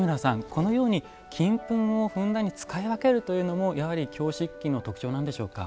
このように金粉をふんだんに使い分けるというのもやはり京漆器の特徴なんでしょうか？